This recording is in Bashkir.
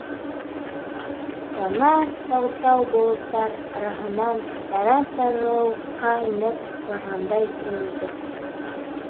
Кәмә тау-тау болоттар араһынан тәрән тарлауыҡҡа инеп барғандай тойолдо.